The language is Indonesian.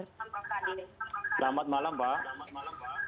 selamat malam pak